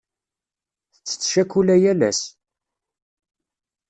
Tettet ccakula yal ass.